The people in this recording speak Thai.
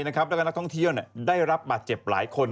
แล้วก็นักท่องเที่ยวได้รับบาดเจ็บหลายคน